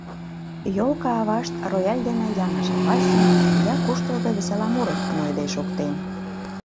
Ёлка-авашт рояль дене я ныжыл вальсым, я куштылго весела мурым нойыде шоктен...